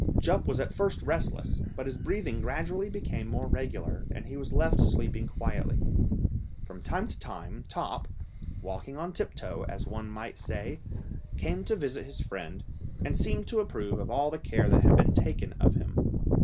Jup was at first restless, but his breathing gradually became more regular, and he was left sleeping quietly. From time to time Top, walking on tip toe, as one might say, came to visit his friend, and seemed to approve of all the care that had been taken of him.